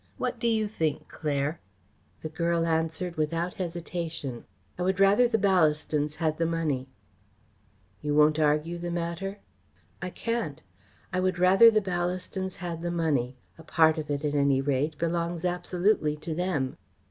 What do you think, Claire?" The girl answered without hesitation. "I would rather the Ballastons had the money." "You won't argue the matter?" "I can't. I would rather the Ballastons had the money. A part of it, at any rate, belongs absolutely to them."